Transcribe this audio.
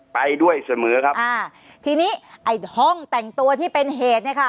ไปด้วยเสมอครับอ่าทีนี้ไอ้ห้องแต่งตัวที่เป็นเหตุเนี่ยค่ะ